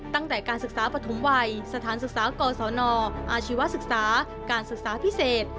ตั้งแต่การศึกษาปฐมวัยสถานศึกษากศนอาชีวศึกษาการศึกษาพิเศษ